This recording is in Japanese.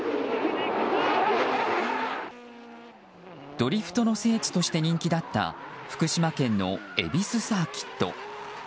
ドリフトの聖地として人気だった福島県のエビスサーキット。